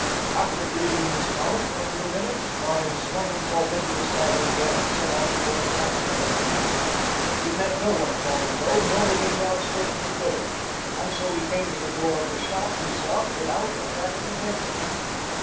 After breathing his mount for a few minutes Barney swung himself into the saddle again and set off toward Tafelberg. He met no one upon the road, nor within the outskirts of the village, and so he came to the door of the shop he sought without attracting attention.